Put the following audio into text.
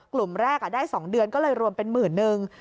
กลุ่มแรกได้๒เดือนก็เลยรวมเป็นหมื่นนึง